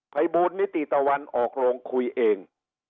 ภัยบูลนิติตะวันออกโรงคุยเอง